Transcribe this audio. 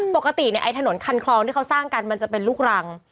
ปกติไอ้ถนนคันคลองที่เขาสร้างกันมันจะเป็นลูกรัง